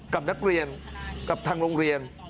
กับนักเรียนกับทางโรงเรียน